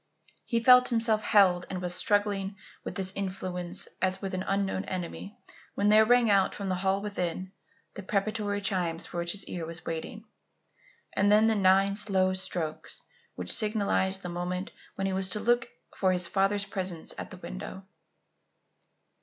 He felt himself held and was struggling with this influence as with an unknown enemy when there rang out, from the hall within, the preparatory chimes for which his ear was waiting, and then the nine slow strokes which signalized the moment when he was to look for his father's presence at the window.